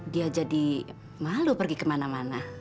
dia jadi malu pergi kemana mana